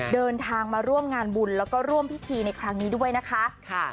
เดินทางมาร่วมงานบุญแล้วก็ร่วมพิธีในครั้งนี้ด้วยนะคะ